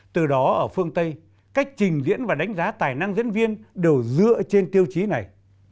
từ đó ở phương tây cách trình diễn và đánh giá tài năng diễn viên đều dựa trên tiêu chí này